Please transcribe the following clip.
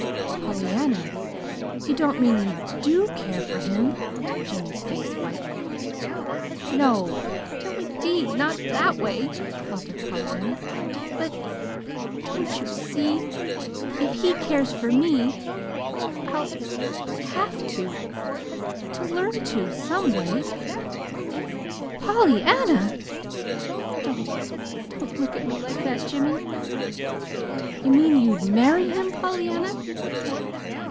"Pollyanna, you don't mean you DO care for him?" Jimmy's face whitened. "No; no, indeed not that way," faltered Pollyanna. "But don't you see? if he cares for me, I'll have to to learn to, someway." "POLLYANNA!" "Don't! Don't look at me like that, Jimmy!" "You mean you'd MARRY him, Pollyanna?"